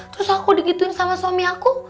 terus aku digituin sama suami aku